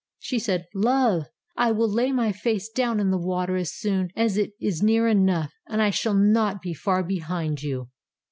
She said: "Love, I will lay my face down in the water as soon as it is near enough, and I shall not be far behind you."